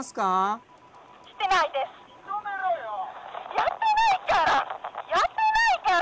☎やってないからやってないから！